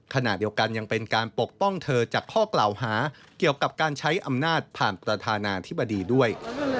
ขณะเดียวกันยังเป็นการปกป้องเธอจากข้อกล่าวหาเกี่ยวกับการใช้อำนาจผ่านประธานาธิบดีด้วย